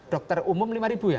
dokter umum rp lima ya